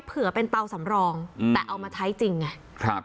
เผื่อเป็นเตาสำรองอืมแต่เอามาใช้จริงไงครับ